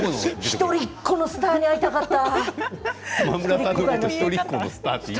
一人っ子のスターに会いたかった。